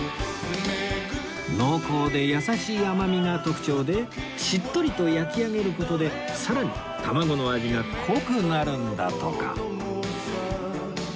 濃厚で優しい甘みが特徴でしっとりと焼き上げる事でさらに卵の味が濃くなるんだとか